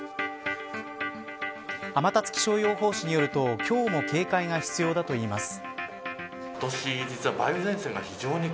天達気象予報士によると今日も警戒が必要だといいます。